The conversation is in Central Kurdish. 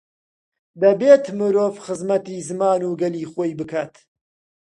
دەبێت مرۆڤ خزمەتی زمان و گەلی خۆی بکات.